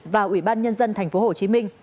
và ủy ban nhân dân tp hcm